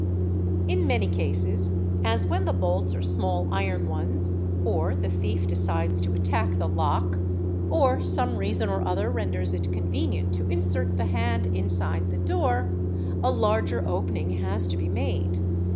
. In many cases, as when the bolts are small iron ones or the thief decides to attack the lock, or some reason or other renders it convenient _ to insert the hand inside the door, a larger opening has to be made.